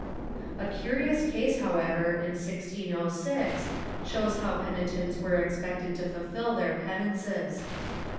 '* A curious case, however, in 1606, shows how penitents were expected to fulfil their penances.